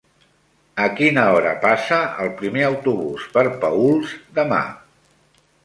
A quina hora passa el primer autobús per Paüls demà?